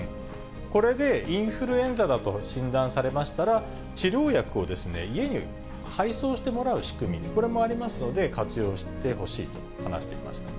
これでインフルエンザだと診断されましたら、治療薬を家に配送してもらう仕組み、これもありますので、活用してほしいと話していました。